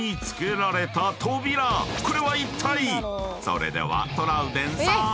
［それではトラウデンさん